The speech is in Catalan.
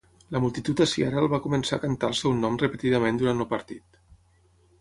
La multitud a Seattle va començar a cantar el seu nom repetidament durant el partit.